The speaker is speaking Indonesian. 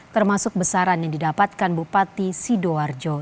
termasuk besaran yang didapatkan bupati sidoarjo